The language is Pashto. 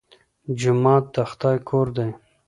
جومات د خدای کور دی.